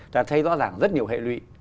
ta thấy rõ ràng rất nhiều hệ lụy